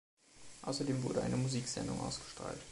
Außerdem wurde eine Musiksendung ausgestrahlt.